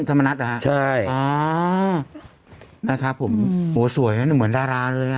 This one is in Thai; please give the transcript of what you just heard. ธรรมนัทอ่ะฮะใช่อ่านะครับผมโหสวยฮะหนึ่งเหมือนดาราด้วยอ่ะ